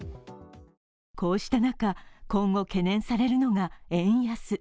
こうした中、今後懸念されるのが円安。